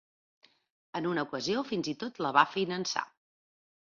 En una ocasió fins i tot la va finançar.